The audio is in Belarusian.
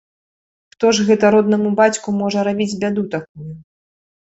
Хто ж гэта роднаму бацьку можа рабіць бяду такую?